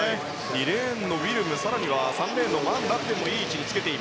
２レーンのウィルムや更には３レーンのマン・ラクテンもいい位置。